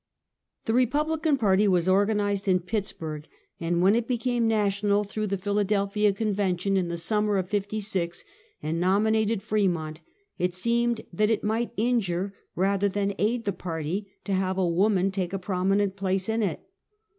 The Eepublican party was organized in Pittsburg, and when it became national through the Philadel phia convention in the summer of '56, and nominated Fremont, it seemed that it might injure rather than aid the party to have a woman take a prominent place in it.